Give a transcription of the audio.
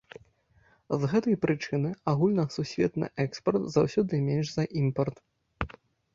З гэтай прычыны агульнасусветны экспарт заўсёды менш за імпарт.